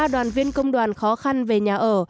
một mươi ba đoàn viên công đoàn khó khăn về nhà ở